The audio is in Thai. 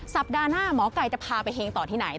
สัปดาห์หน้าหมอไก่จะพาไปเฮงต่อที่ไหน